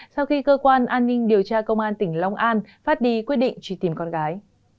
sau khi cơ quan an ninh điều tra công an tỉnh long an phát đi quyết định truy tìm con gái